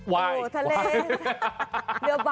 วายวายทะเล